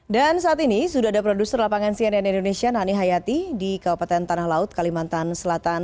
dan saat ini sudah ada produser lapangan cnn indonesia nani hayati di kaupaten tanah laut kalimantan selatan